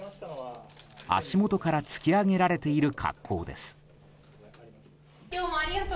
足元から突き上げられている格好です。